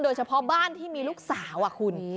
โดยเฉพาะบ้านที่มีลูกสาวคุณ